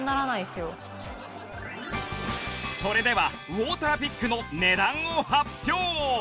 それではウォーターピックの値段を発表！